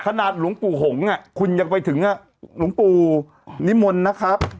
หลวงปู่หงคุณยังไปถึงหลวงปู่นิมนต์นะครับ